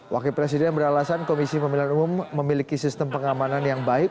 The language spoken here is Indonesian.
wakil presiden beralasan komisi pemilihan umum memiliki sistem pengamanan yang baik